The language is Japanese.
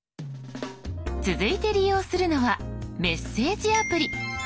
続いて利用するのはメッセージアプリ。